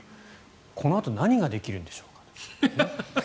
このあと何ができるんでしょうか？